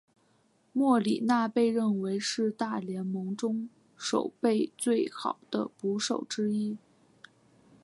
莫里纳被认为是大联盟中守备最好的捕手之一。